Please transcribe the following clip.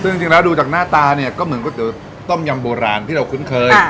ซึ่งจริงแล้วดูจากหน้าตาเนี่ยก็เหมือนก๋วต้มยำโบราณที่เราคุ้นเคย